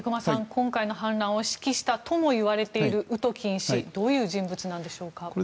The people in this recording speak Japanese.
今回の反乱を指揮したともいわれているウトキン氏どういう人物なんでしょうか。